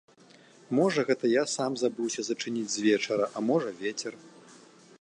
Можа, гэта я сам забыўся зачыніць звечара, а можа, вецер.